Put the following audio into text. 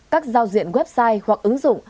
các giao diện website hoặc ứng dụng